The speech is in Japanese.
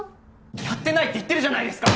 やってないって言ってるじゃないですか！